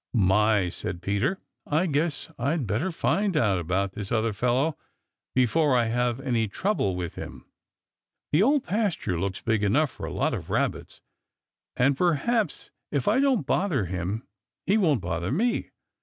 "My," said Peter, "I guess I'd better find out all about this other fellow before I have any trouble with him. The Old Pasture looks big enough for a lot of Rabbits, and perhaps if I don't bother him, he won't bother me.